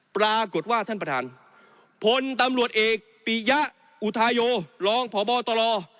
ปรากฏว่าท่านประธานพลตำรวจเอกปิยะอุทาโยรองพบตร